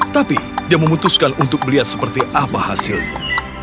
tapi dia memutuskan untuk melihat seperti apa hasilnya